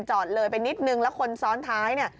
จอดเลยไปนิดนึงแล้วคนซ้อนท้ายเนี่ย